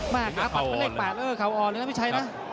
แม่ขาปัดไปเรียกแปดแล้วเขาอ่อนเลยนะพี่ชัยนะ